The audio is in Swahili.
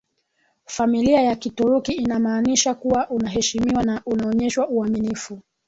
familia ya Kituruki inamaanisha kuwa unaheshimiwa na unaonyeshwa uaminifu